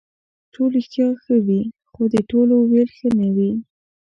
ټول رښتیا ښه وي خو د ټولو ویل ښه نه وي.